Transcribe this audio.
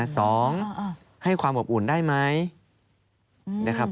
สองให้ความอบอุ่นได้ไหม